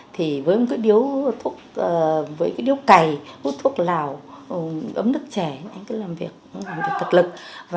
thì với một cái điếu cày thuốc lào ấm nước trẻ anh cứ làm việc tật lực